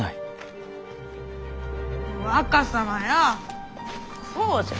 若様よこうじゃ！